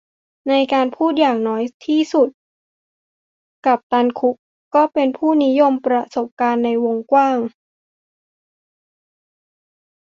ในการพูดอย่างน้อยที่สุดกัปตันคุกก็เป็นผู้นิยมประสบการณ์ในวงกว้าง